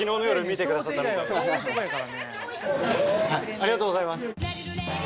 ありがとうございます。